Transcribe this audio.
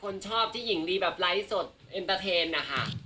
คนชอบที่หญิงลีแบบไลฟ์สดเอ็นเตอร์เทนนะคะ